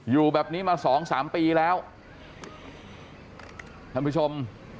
อยู่แบบนี้มาสองสามปีแล้วท่านผู้ชม